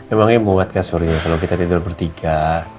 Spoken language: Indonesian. emangnya muat kasurnya kalau kita tidur bertiga